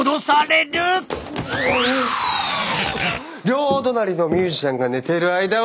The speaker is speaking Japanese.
両隣のミュージシャンが寝ている間はね！